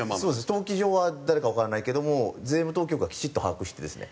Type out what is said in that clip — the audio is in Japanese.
登記上は誰かわからないけども税務当局はきちっと把握してですね。